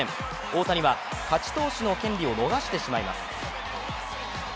大谷は勝ち投手の権利を逃してしまいます。